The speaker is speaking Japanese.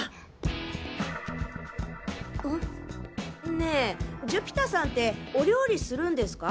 ねえ寿飛太さんってお料理するんですか？